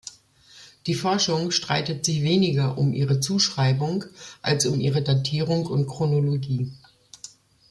Die Forschung streitet sich weniger um ihre Zuschreibung als um ihre Datierung und Chronologie.